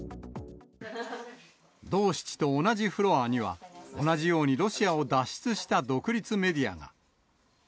ドーシチと同じフロアには、同じようにロシアを脱出した独立メディアが。